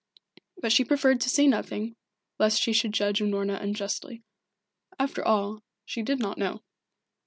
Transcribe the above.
But she preferred to say nothing, lest she should judge Unorna unjustly. After all, she did not know.